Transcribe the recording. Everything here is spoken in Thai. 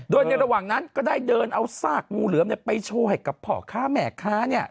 โดยในระหว่างนั้นก็ได้เดินเอาซากงูเหลือมไปโชว์ให้กับพ่อค้าแม่ค้า